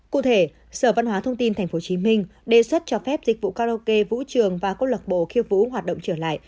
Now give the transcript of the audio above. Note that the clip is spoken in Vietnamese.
cụ thể sở văn hóa thông tin tp hcm đề xuất cho phép dịch vụ karaoke vũ trường và cô lạc bộ khiêu vũ hoạt động trở lại